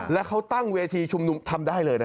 แล้วเขาตั้งเวทีชุมนุมทำได้เลยนะ